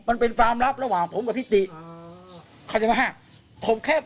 มันเป็นฟาร์มลับระหว่างผมกับพิติเขาจะมาฮะผมแค่